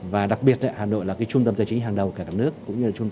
và đặc biệt hà nội là trung tâm giải trí hàng đầu của cả đất nước